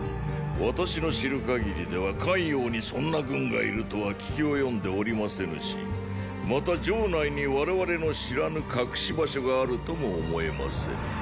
私の知る限りでは咸陽にそんな軍がいるとは聞き及んでおりませぬしまた城内に我々の知らぬ隠し場所があるとも思えませぬ。